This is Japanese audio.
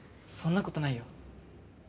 そんなことないよ。